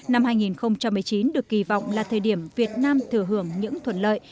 năm hai nghìn một mươi chín được kỳ vọng là thời điểm việt nam thừa hưởng những thuận lợi